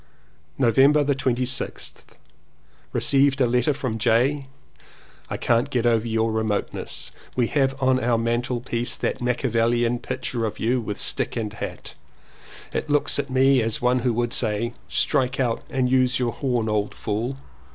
November 26th. Received a letter from J. "I can't get over your remoteness. We have on our mantel piece that Machiavellian picture of you with stick and hat. It looks at me as one who would say, 'Strike out and use your horn old fool.'